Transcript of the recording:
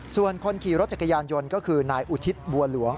ส่วนคนขี่รถจักรยานยนต์ก็คือนายอุทิศบัวหลวง